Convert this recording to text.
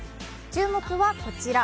注目はこちら。